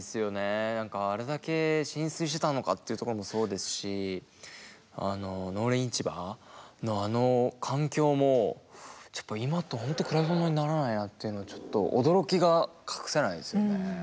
何かあれだけ浸水してたのかっていうところもそうですしあの農連市場のあの環境も今と本当比べ物にならないなっていうのをちょっと驚きが隠せないですよね。